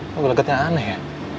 wah beragetnya aneh ya